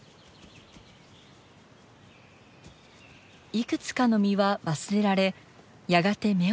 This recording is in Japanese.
いくつかの実は忘れられやがて芽を出します。